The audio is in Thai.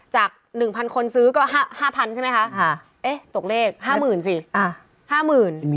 จาก๑๐๐๐คนซื้อก็๕๐๐๐ใช่ไหมคะเอ๊ะตกเลข๕๐๐๐๐สิ